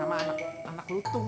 anak buah sama anak lutung